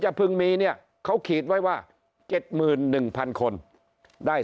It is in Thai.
จะพึงมีเนี่ยเขาขีดไว้ว่าเจ็ดมือนึงพันคนได้